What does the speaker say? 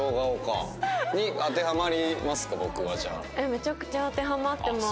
めちゃくちゃ当てはまってます。